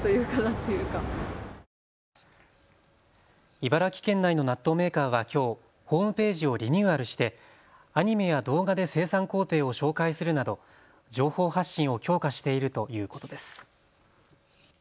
茨城県内の納豆メーカーはきょう、ホームページをリニューアルしてアニメや動画で生産工程を紹介するなど情報発信を強化しているということです。